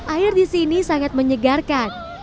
air di sini sangat menyegarkan